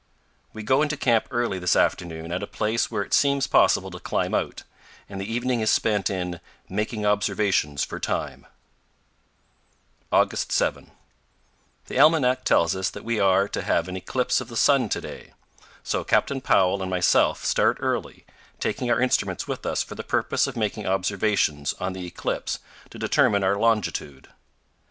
We go into camp early this afternoon at a place where it seems possible to climb out, and the evening is spent in "making observations for time." powell canyons 153.jpg MARBLE CANYON. FROM THE GRAND TO THE LITTLE COLORADO. 237 August 7. The almanac tells us that we are to have an eclipse of the sun to day; so Captain Powell and myself start early, taking our instruments with us for the purpose of making observations on the eclipse to determine our longitude.